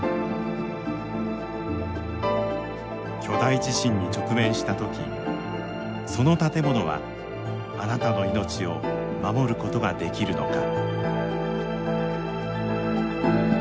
巨大地震に直面したときその建物はあなたの命を守ることができるのか。